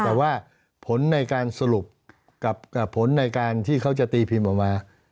แต่ว่าผลในการสรุปกับผลในการที่เขาจะตีพิมพ์ออกมา